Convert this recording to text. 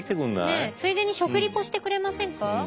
ねえついでに食リポしてくれませんか。